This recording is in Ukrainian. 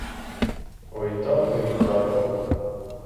Ой тату мій, тату!